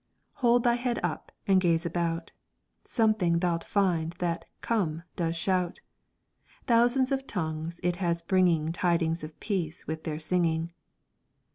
"Hold thy head up, and gaze about! Something thou'lt find that "Come!" does shout; Thousands of tongues it has bringing Tidings of peace with their singing.